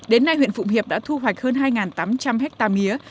đến nay huyện phụng hiệp đã thu hoạch hơn hai tám trăm linh hectare mía